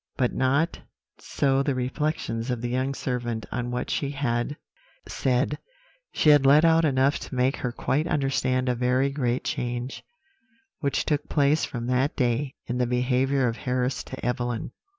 But not so the reflections of the young servant on what she had said; she had let out enough to make her quite understand a very great change, which took place from that day, in the behaviour of Harris to Evelyn.